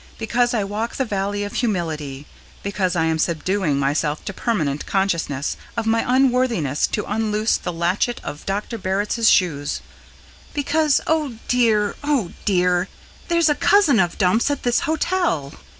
Because I walk the Valley of Humility. Because I am subduing myself to permanent consciousness of my unworthiness to unloose the latchet of Dr. Barritz's shoe. Because oh, dear, oh, dear there's a cousin of Dumps at this hotel!